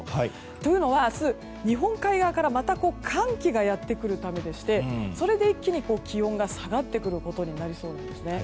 というのは明日、日本海側から寒気がやってくるためでしてそれで一気に気温が下がってくることになりそうです。